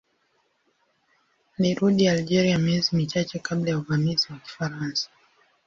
Alirudi Algeria miezi michache kabla ya uvamizi wa Kifaransa.